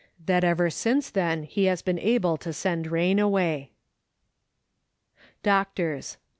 That ever since then he has been able to send rain away." Doctors.